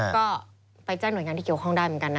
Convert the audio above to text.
ก็ไปแจ้งหน่วยงานที่เกี่ยวข้องได้เหมือนกันนะ